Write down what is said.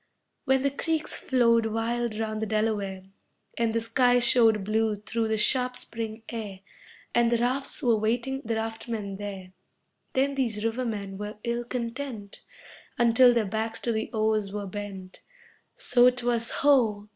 When the creeks flow'd wild round the Delaware, And the sky showed blue through the sharp Spring air, And the rafts were waiting the raftmen there, Then these rivermen were ill content Until their backs to the oars were bent So 'twas ho!